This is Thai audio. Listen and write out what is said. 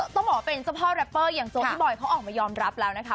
ต้องบอกว่าเป็นเจ้าพ่อแรปเปอร์อย่างตัวพี่บอยเขาออกมายอมรับแล้วนะคะ